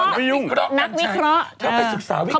นักวิเคราะห์